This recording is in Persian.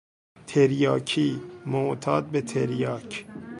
تریاکی، معتاد به تریاک